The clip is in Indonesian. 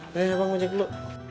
ya abang mau ngejek dulu